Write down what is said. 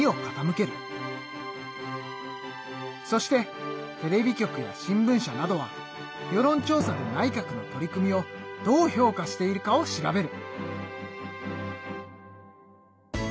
そしてテレビ局や新聞社などは世論調査で内閣の取り組みをどう評価しているかを調べる。